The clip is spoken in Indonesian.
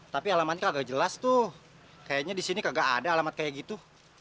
tapi alamannya gak jelas tuh kayaknya di sini enggak ada alamat kayak gitu